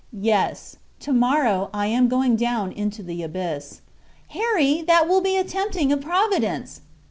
"Yes; to morrow I am going down into that abyss." "Harry! that will be a tempting of Providence."